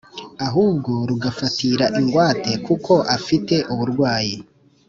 ahubwo rugafatira ingwate kuko afite uburwayi